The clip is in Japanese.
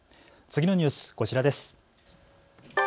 次のニュース、こちらです。